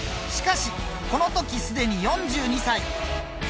しかしこの時すでに４２歳。